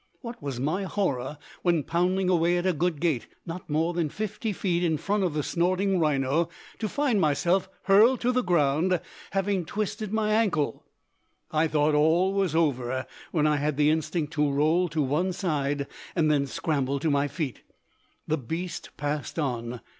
What was my horror, when pounding away at a good gait, not more than fifty feet in front of the snorting rhino, to find myself hurled to the ground, having twisted my ankle. I thought all was over, when I had the instinct to roll to one side and then scramble to my feet. The beast passed on.